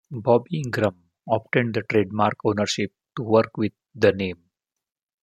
Bobby Ingram obtained the trademark ownership to work with the name.